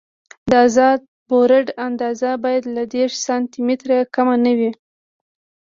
د ازاد بورډ اندازه باید له دېرش سانتي مترو کمه نه وي